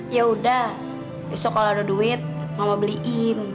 yaudah besok kalo ada duit mama beliin